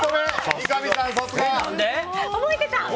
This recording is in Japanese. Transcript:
三上さん、さすが。